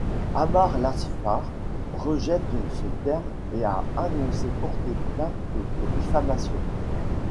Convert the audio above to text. Amar Lasfar rejette ce terme et a annoncé porter plainte pour diffamation.